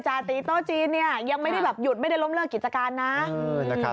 จาตรีโต๊ะจีนยังไม่ได้หยุดไม่ได้ล้มเลิกกิจการนะ